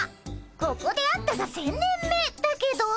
ここで会ったが１，０００年目だけど。